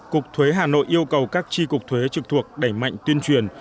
cục thuế hà nội yêu cầu các tri cục thuế trực thuộc đẩy mạnh tuyên truyền